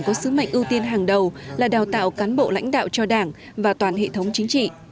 có sứ mệnh ưu tiên hàng đầu là đào tạo cán bộ lãnh đạo cho đảng và toàn hệ thống chính trị